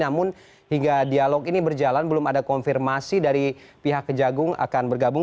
namun hingga dialog ini berjalan belum ada konfirmasi dari pihak kejagung akan bergabung